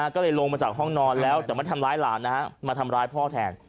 ก็เลยลงมาจากห้องนอนแล้วจะมาทำร้ายหลานมาทำร้ายพ่อแทน